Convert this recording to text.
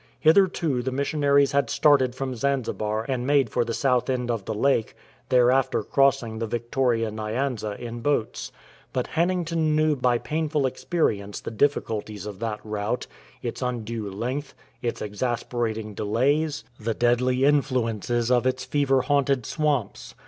Hitherto the missionaries had started from Zanzibar and made for the south end of the lake, thereafter crossing the Victoria Nyanza in boats. But Hannington knew by painful experience the difficulties of that route — its undue length, its exasperating delays, the "5 THE NEW ROUTE TO UGANDA deadly influences of its fever haunted swamps.